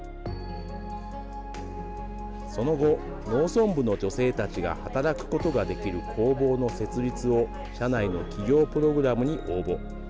その後、農村部の女性たちが働くことができる工房の設立を社内の起業プログラムに応募。